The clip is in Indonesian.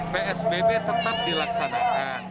psbb tetap dilaksanakan